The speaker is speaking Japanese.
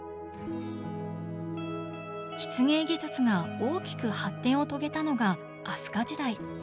漆芸技術が大きく発展を遂げたのが飛鳥時代。